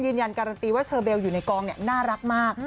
การันตีว่าเชอเบลอยู่ในกองน่ารักมาก